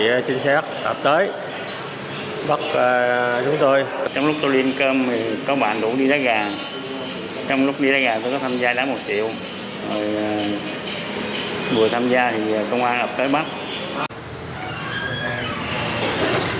rồi vừa tham gia thì công an nhận thấy bắt